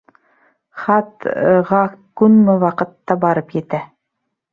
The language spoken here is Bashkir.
Хат...-ға күнме ваҡытта барып етә?